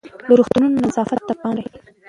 د روغتونونو نظافت ته پام وکړئ.